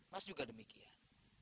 mas juga demikian